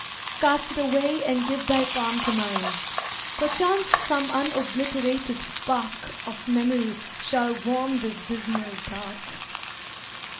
"Cast it away, and give thy palm to mine: Perchance some unobliterated spark Of memory shall warm this dismal Dark.